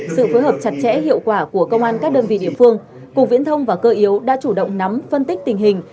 sự phối hợp chặt chẽ hiệu quả của công an các đơn vị địa phương cục viễn thông và cơ yếu đã chủ động nắm phân tích tình hình